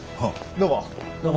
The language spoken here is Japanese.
どうも。